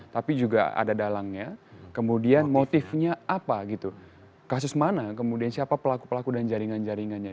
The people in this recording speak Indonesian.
tapi juga ada dalangnya kemudian motifnya apa gitu kasus mana kemudian siapa pelaku pelaku dan jaringan jaringannya